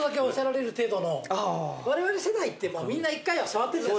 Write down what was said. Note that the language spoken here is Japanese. われわれ世代ってみんな１回は触ってるじゃないですか。